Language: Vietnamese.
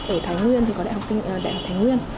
ở thái nguyên thì có đại học thái nguyên